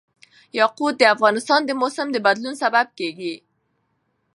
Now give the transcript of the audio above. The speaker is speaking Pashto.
یاقوت د افغانستان د موسم د بدلون سبب کېږي.